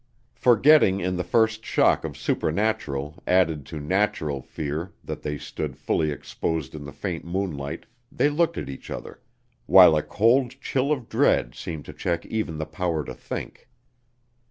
Forgetting in the first shock of supernatural added to natural fear that they stood fully exposed in the faint moonlight, they looked at each other, while a cold chill of dread seemed to check even the power to think.